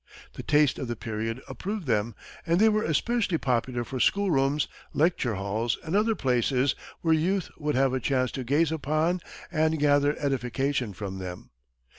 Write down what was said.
The taste of the period approved them, and they were especially popular for schoolrooms, lecture halls and other places where youth would have a chance to gaze upon and gather edification from them.